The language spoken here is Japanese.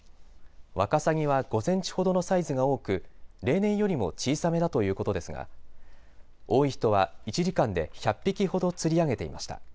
ワカサギは５センチほどのサイズが多く、例年よりも小さめだということですが多い人は１時間で１００匹ほど釣り上げていました。